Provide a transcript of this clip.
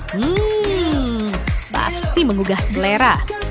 hmm pasti mengugah selera